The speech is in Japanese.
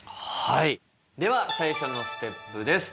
はいでは最初のステップです。